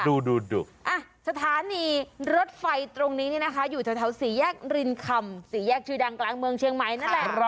ดูสถานีรถไฟตรงนี้เนี่ยนะคะอยู่แถวสี่แยกรินคำสี่แยกชื่อดังกลางเมืองเชียงใหม่นั่นแหละ